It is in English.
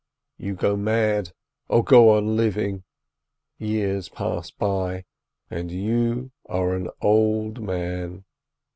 You go mad, or go on living. Years pass by, and you are an old man.